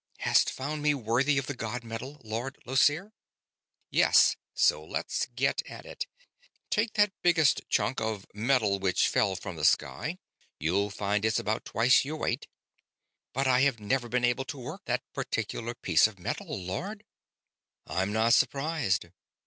Hast found me worthy of the god metal, Lord Llosir?" "Yes, so let's get at it. Take that biggest chunk of 'metal which fell from the sky' you'll find it's about twice your weight ..." "But I have never been able to work that particular piece of metal, Lord." "I'm not surprised.